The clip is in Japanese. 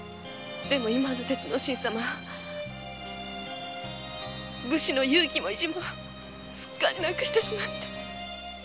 でも今の鉄之進様は武士の勇気も意地もすっかり失くしてしまって。